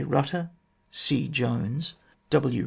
Butter, C. Jones, W.